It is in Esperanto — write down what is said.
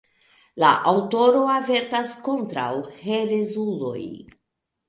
La aŭtoro avertas kontraŭ herezuloj.